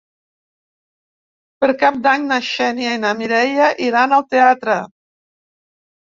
Per Cap d'Any na Xènia i na Mireia iran al teatre.